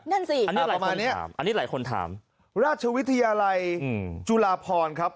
นั่นสิอันนี้ประมาณนี้อันนี้หลายคนถามราชวิทยาลัยจุฬาพรครับ